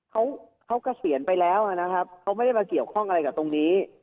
เขาเขาเกษียณไปแล้วนะครับเขาไม่ได้มาเกี่ยวข้องอะไรกับตรงนี้